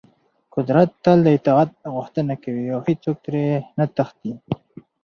قدرت تل د اطاعت غوښتنه کوي او هېڅوک ترې نه تښتي.